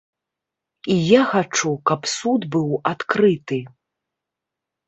І я хачу, каб суд быў адкрыты.